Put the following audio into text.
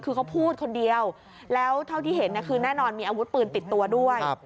คือเขาพูดคนเดียวแล้วเท่าที่เห็นคือแน่นอนมีอาวุธปืนติดตัวด้วย